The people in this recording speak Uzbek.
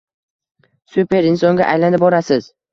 Super insonga aylanib borasiz.